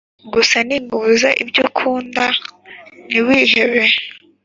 gusa ninkubuza, iby'ukund ntiwihebe